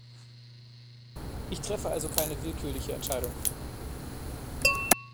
Ich treffe also keine willkürliche Entscheidung.